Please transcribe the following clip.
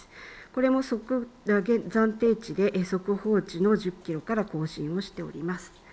これも暫定値で速報値の１０キロから更新をしております。